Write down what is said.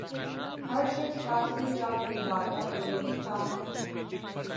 ہر شخص کا صد چاک لبادہ تو نہیں تھا